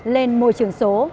lên môi trường số